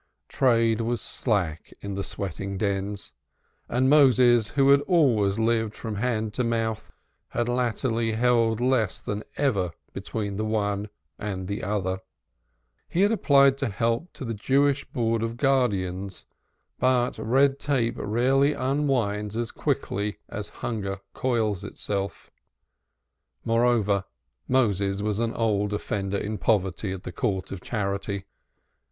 Trade was slack in the sweating dens, and Moses, who had always lived from hand to mouth, had latterly held less than ever between the one and the other. He had applied for help to the Jewish Board of Guardians, but red tape rarely unwinds as quickly as hunger coils itself; moreover, Moses was an old offender in poverty at the Court of Charity.